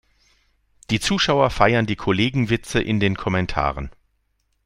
Die Zuschauer feiern die Kollegenwitze in den Kommentaren.